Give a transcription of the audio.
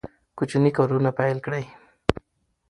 کوچني کارونه پیل کړئ.